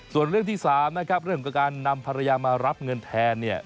ส่วนเรื่องที่๓นะครับเรื่องของการนำภรรยามารับเงินแทนเนี่ย